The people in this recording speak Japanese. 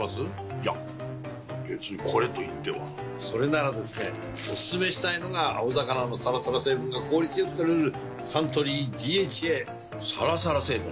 いや別にこれといってはそれならですねおすすめしたいのが青魚のサラサラ成分が効率良く摂れるサントリー「ＤＨＡ」サラサラ成分？